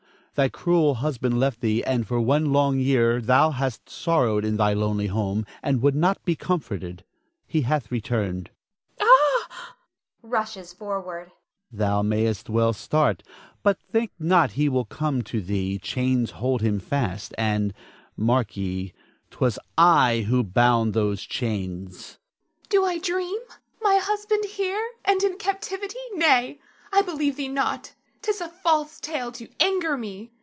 Thy cruel husband left thee and for one long year thou hast sorrowed in thy lonely home, and would not be comforted. He hath returned. Nina. Ah [Rushes forward.] Don Felix. Thou may'st well start, but think not he will come to thee, chains hold him fast and mark ye 'twas I who bound those chains. Nina. Do I dream, my husband here and in captivity; nay, I believe thee not. 'Tis a false tale to anger me.